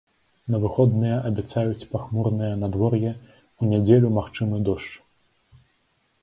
На выходныя абяцаюць пахмурнае надвор'е, у нядзелю магчымы дождж.